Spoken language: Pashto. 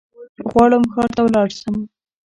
غواړم ښار ته ولاړشم